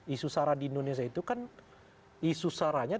isu sarah di indonesia itu kan